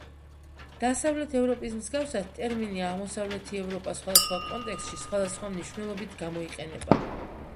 დასავლეთ ევროპის მსგავსად, ტერმინი აღმოსავლეთი ევროპა სხვადასხვა კონტექსტში სხვადასხვა მნიშვნელობით გამოიყენება.